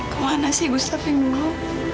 kemana sih gustaf yang dulu